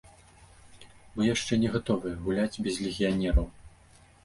Мы яшчэ не гатовыя гуляць без легіянераў.